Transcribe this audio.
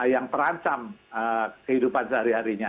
yang terancam kehidupan sehari harinya